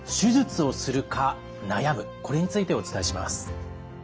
これについてお伝えします。